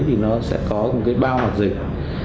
thì nó sẽ có một cái bao hoạt dịch